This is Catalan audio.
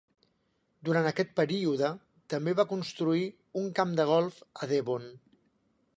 Durant aquest període, també va construir un camp de golf a Devon.